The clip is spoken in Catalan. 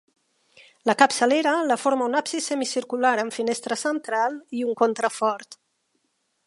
La capçalera la forma un absis semicircular amb finestra central i un contrafort.